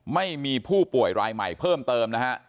ไม่มีผู้ป่วยรายใหม่เพิ่มเติมนะฮะ